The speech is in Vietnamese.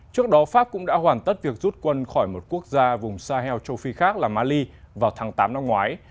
trước đó pháp cũng đã hoàn tất việc rút quân khỏi một quốc gia vùng sahel châu phi khác là mali vào tháng tám năm ngoái